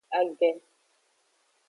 Age.